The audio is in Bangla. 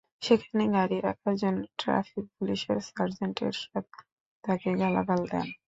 সেখানে গাড়ি রাখার জন্য ট্রাফিক পুলিশের সার্জেন্ট এরশাদ তাঁকে গালাগাল দেন।